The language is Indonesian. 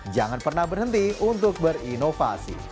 jangan pernah berhenti untuk berinovasi